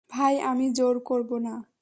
ভাই আমি জোর করব না।